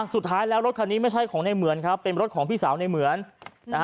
สุดท้ายแล้วรถคันนี้ไม่ใช่ของในเหมือนครับเป็นรถของพี่สาวในเหมือนนะฮะ